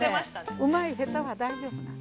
うまい下手は大丈夫なの。